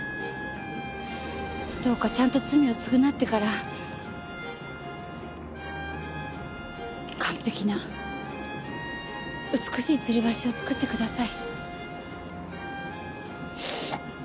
どうかちゃんと罪を償ってから完璧な美しいつり橋を造ってください。